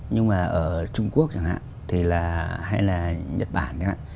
nhưng mà ở trung quốc chẳng hạn hay là nhật bản chẳng hạn